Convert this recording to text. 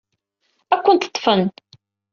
Ad ken-ḍḍfen.